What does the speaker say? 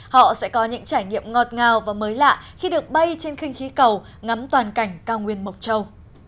họ sẽ có những trải nghiệm ngọt ngào và mới lạ khi được bay trên khinh khí cầu ngắm toàn cảnh cao nguyên mộc châu